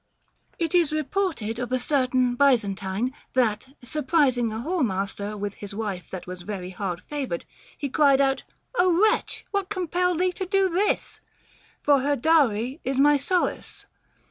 It is reported of a certain Byzantine, that, surprising a whoremaster with his wife that was very hard favored, he cried out, Ο wretch, what compelled thee to do this I — for her dowry is my solace.